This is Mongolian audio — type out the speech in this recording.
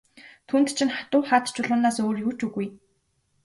Түүнд чинь хатуу хад чулуунаас өөр юу ч үгүй.